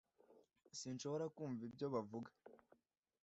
Sinshobora kumva ibyo bavuga